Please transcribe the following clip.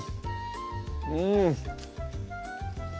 うん！